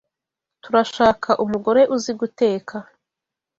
Turashaka umugore uzi guteka.